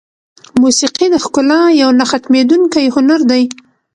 موسیقي د ښکلا یو نه ختمېدونکی هنر دی.